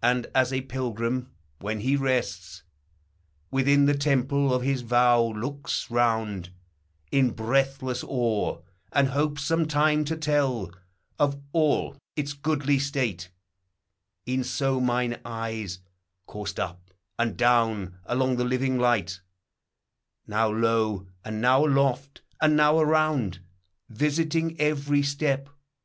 And, as a pilgrim, when he rests Within the temple of his vow, looks round In breathless awe, and hopes some time to tell Of all its goodly state; e'en so mine eyes Coursed up and down along the living light, Now low, and now aloft, and now around, Vfsiting every step.